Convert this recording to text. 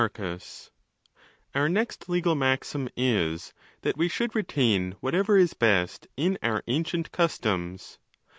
XVI. Our next legal maxim is, that we should retain what ever is best in our ancient customs.